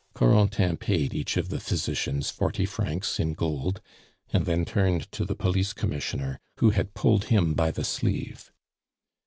Corentin paid each of the physicians forty francs in gold, and then turned to the Police Commissioner, who had pulled him by the sleeve.